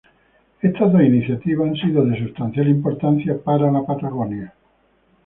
Estas dos iniciativas, han sido de sustancial importancia para la Patagonia.